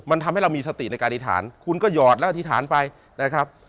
มันทำให้เรามีสติในการอธิษฐานคุณก็หยอดและอธิษฐานไปนะครับ